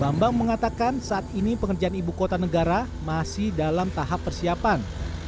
bambang mengatakan saat ini pengerjaan ibu kota negara masih dalam tahap persiapan